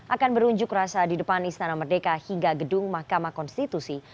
akan berunjuk rasa di depan istana merdeka hingga gedung mahkamah konstitusi